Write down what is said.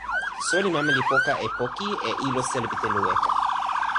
soweli mama li poka e poki, e ilo selo pi telo weka.